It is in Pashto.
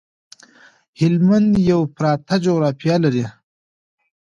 هلمند یو پراته جغرافيه لري